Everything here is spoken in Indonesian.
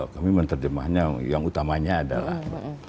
kami menerjemahnya yang utamanya adalah